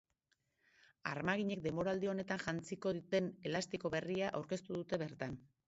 Armaginek denboraldi honetan jantziko duten elastiko berria aurkeztu dute bertan.